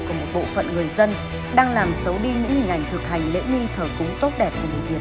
của một bộ phận người dân đang làm xấu đi những hình ảnh thực hành lễ nghi thở cúng tốt đẹp